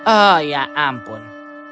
oh ya ampun